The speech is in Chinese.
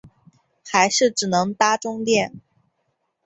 还是只能搭终电